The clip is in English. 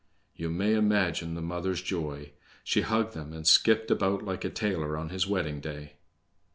You may imagine the mother's joy. She hugged them, and skipped about like a tailor on his wedding day.